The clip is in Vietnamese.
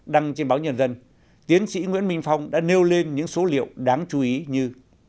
đăng trên báo nhân dân tiến sĩ nguyễn minh phong đã nêu lên những số liệu đáng chú ý như